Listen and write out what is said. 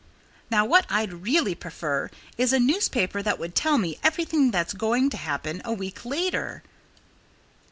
Now, what I'd really prefer is a newspaper that would tell me everything that's going to happen a week later."